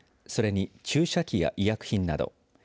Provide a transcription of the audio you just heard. それに、注射器や医薬品など。